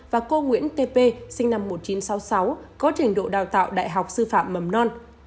và cô nguyễn t sinh năm một nghìn chín trăm sáu mươi sáu có trình độ đào tạo đại học sư phạm mầm non